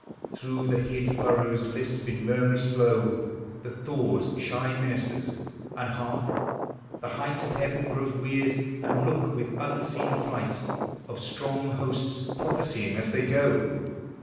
Through the hid furrows lisp in murmurous flow The thaw's shy ministers; and hark! The height Of heaven grows weird and loud with unseen flight Of strong hosts prophesying as they go